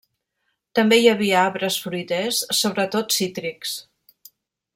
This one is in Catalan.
També hi havia arbres fruiters, sobretot cítrics.